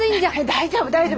大丈夫大丈夫。